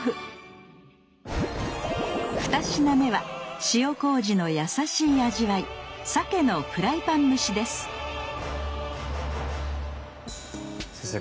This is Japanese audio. ２品目は塩麹のやさしい味わい先生